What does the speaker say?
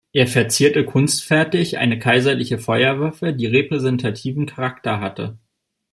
Er verzierte kunstfertig eine kaiserliche Feuerwaffe, die repräsentativen Charakter hatte.